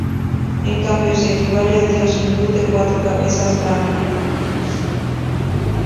En cambio sí equivale al dios hindú de cuatro cabezas, Brahma.